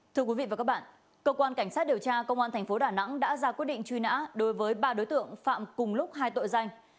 thưa quý vị và các bạn cơ quan cảnh sát điều tra công an tp đà nẵng đã ra quyết định truy nã đối với ba đối tượng phạm cùng lúc hai tội danh